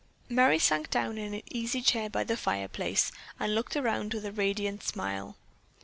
Merry sank down in an easy chair by the fireplace and looked around with a radiant smile.